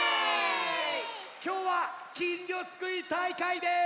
きょうはきんぎょすくいたいかいです！